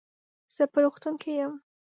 زه په روغتون کې يم.